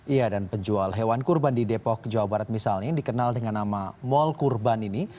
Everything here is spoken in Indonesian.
iya dan penjual hewan kurban di depok jawa barat misalnya yang dikenal dengan nama mall kurban ini